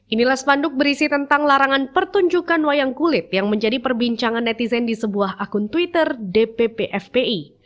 inilah spanduk berisi tentang larangan pertunjukan wayang kulit yang menjadi perbincangan netizen di sebuah akun twitter dpp fpi